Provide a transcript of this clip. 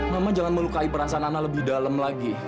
memang jangan melukai perasaan ana lebih dalam lagi